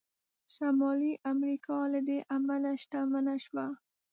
شمالي امریکا له دې امله شتمنه شوه.